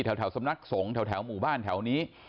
แถวสำนักสงฆ์แถวหมู่บ้านแถวนี้